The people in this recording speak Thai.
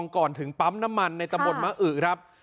ก่อนถึงปั๊มน้ำมันในตำบลมะอือครับ